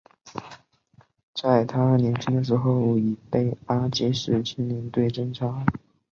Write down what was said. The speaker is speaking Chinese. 在他年轻的时候已被阿积士青年队侦察。